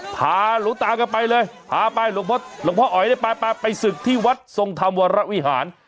พาหลวงตากันไปเลยพาไปหลวงพ่อหลวงพ่ออ๋อยไปไปศึกที่วัดทรงธรรมวรวิหาร